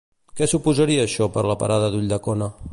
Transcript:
Què suposaria això per a la parada d'Ulldecona?